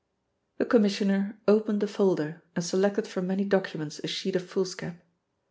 The Commissioner opened a folder and selected from many documents a sheet of foolscap.